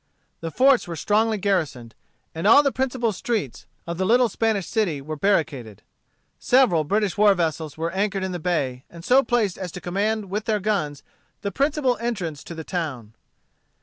The forts were strongly garrisoned, and all the principal streets of the little Spanish city were barricaded. Several British war vessels were anchored in the bay, and so placed as to command with their guns the principal entrance to the town.